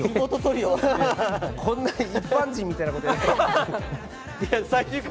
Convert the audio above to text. こんな一般人みたいなことやります？